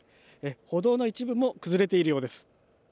歩道の一部も崩れているようです。